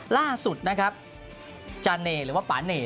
ล่าสุดจานเนหรือว่าป่าเนห์